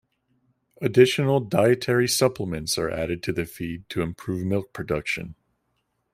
Additional dietary supplements are added to the feed to improve milk production.